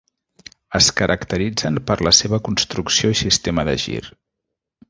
Es caracteritzen per la seva construcció i sistema de gir.